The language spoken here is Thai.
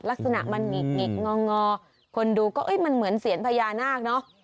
ลักษณะมันหงิกงอคนดูก็มันเหมือนเสียญพญานาคเนอะ